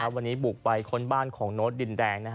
วันนี้บุกไปค้นบ้านของโน้ตดินแดง